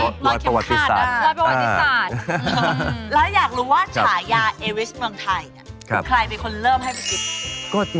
แล้วอยากรู้ว่าฉายาเอวิสเมืองไทยใครเป็นคนเริ่มให้ไปจิต